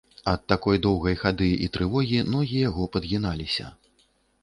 Ад такой доўгай хады і трывогі ногі яго падгіналіся.